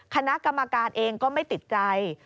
คณะกรรมการเองก็ไม่ติดใจ